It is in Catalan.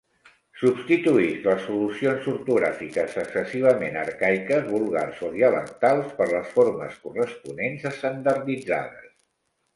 Substituïsc les solucions ortogràfiques excessivament arcaiques, vulgars o dialectals per les formes corresponents estandarditzades.